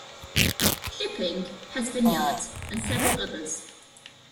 Shipping, Hess Vineyards, and several others.